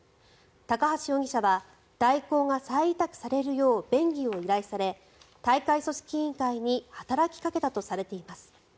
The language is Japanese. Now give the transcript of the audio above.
高橋容疑者は大広が再委託されるよう便宜を依頼され大会組織委員会に働きかけたとされています。